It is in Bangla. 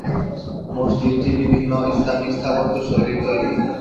মসজিদটি বিভিন্ন ইসলামিক স্থাপত্যশৈলীর তৈরি।